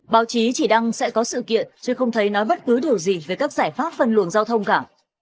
báo chí chỉ đăng sẽ có sự kiện chứ không thấy nói bất cứ điều gì về các giải pháp phân luồng giao thông cả